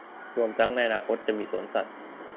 รวมทั้งในอนาคตจะมีสวนสัตว์